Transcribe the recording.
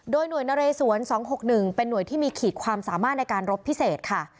โดยหน่วยนเรสวน๒๖๑เป็นหน่วยที่มีขีดความสามารถในการรบพิเศษค่ะ